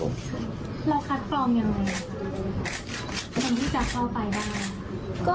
ครับผมเราคัดปรองยังไงครับคนที่จะเข้าไปบ้าง